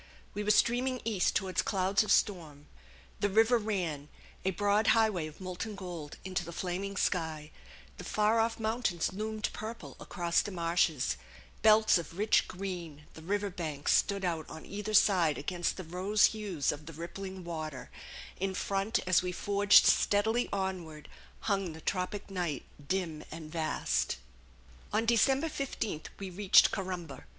We were steaming east toward clouds of storm. The river ran, a broad highway of molten gold, into the flaming sky; the far off mountains loomed purple across the marshes; belts of rich green, the river banks stood out on either side against the rose hues of the rippling water; in front, as we forged steadily onward, hung the tropic night, dim and vast. On December 15 we reached Corumba.